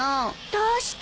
どうして？